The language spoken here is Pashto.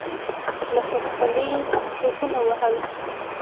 له خوشالۍ ټوپونه ووهل.